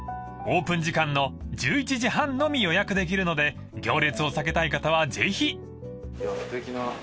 ［オープン時間の１１時半のみ予約できるので行列を避けたい方はぜひ］いやすてきな。